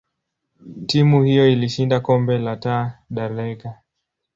timu hiyo ilishinda kombe la Taa da Liga.